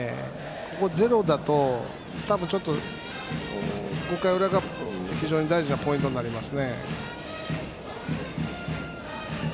ここゼロだとちょっと５回の裏が非常に大事なポイントになります。